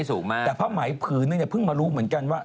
แต่ภาพหมายผืนนั้นเนี่ยเพิ่งมารู้เหมือนกันว่า